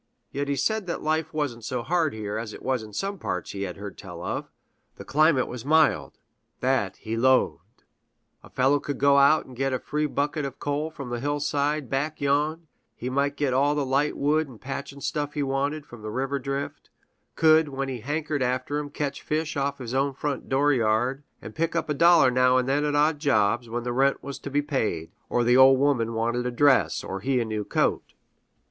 Yet he said that life wasn't so hard here as it was in some parts he had heard tell of the climate was mild, that he "'lowed;" a fellow could go out and get a free bucket of coal from the hillside "back yon;" he might get all the "light wood 'n' patchin' stuff" he wanted, from the river drift; could, when he "hankered after 'em," catch fish off his own front door yard; and pick up a dollar now and then at odd jobs, when the rent was to be paid, or the "ol' woman" wanted a dress, or he a new coat.